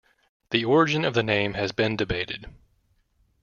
The origin of the name has been debated.